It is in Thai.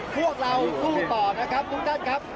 พวกเราสู้ต่อนะครับทุกท่านครับ